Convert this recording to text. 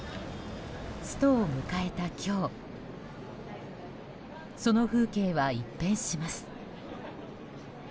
ストを迎えた今日その風景は一変します。